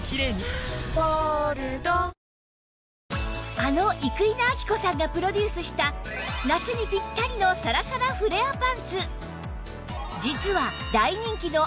あの生稲晃子さんがプロデュースした夏にピッタリのさらさらフレアパンツ